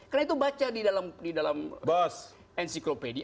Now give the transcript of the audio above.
karena itu baca di dalam enciklopedi